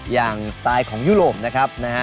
สไตล์ของยุโรปนะครับนะฮะ